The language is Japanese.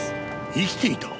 生きていた？